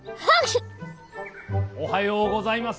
おはようございます。